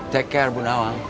take care bu nawang